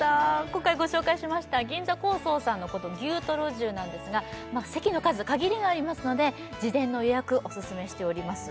今回ご紹介しましたＧＩＮＺＡＫＯＳＯさんのこの牛トロ重なんですが席の数限りがありますので事前の予約オススメしております